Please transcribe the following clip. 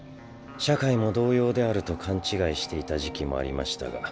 社会も同様であると勘違いしていた時期もありましたが。